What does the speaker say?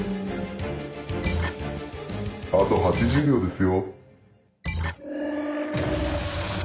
あと８０秒ですよ。